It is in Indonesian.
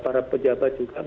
para pejabat juga berharap